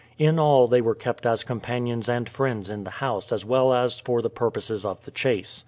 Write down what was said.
In all they were kept as companions and friends in the house as well as for the purposes of the chase.